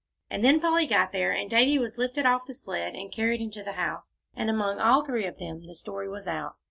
And then Polly got there, and Davie was lifted off the sled and carried into the house, and among all three of them the story was out.